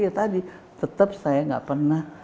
ya tadi tetap saya nggak pernah